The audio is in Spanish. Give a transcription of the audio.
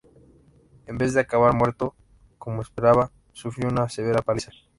En vez de acabar muerto, como esperaba, sufrió una severa paliza.